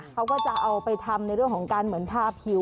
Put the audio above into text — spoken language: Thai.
เขาก็จะเอาไปทำในเรื่องของผิว